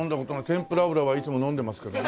天ぷら油はいつも飲んでますけど。